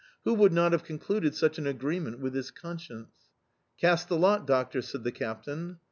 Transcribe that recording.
Who would not have concluded such an agreement with his conscience? "Cast the lot, doctor!" said the captain.